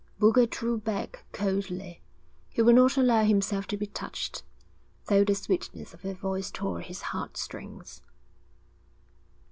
Boulger drew back coldly. He would not allow himself to be touched, though the sweetness of her voice tore his heart strings.